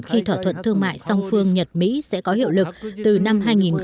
khi thỏa thuận thương mại song phương nhật mỹ sẽ có hiệu lực từ năm hai nghìn một mươi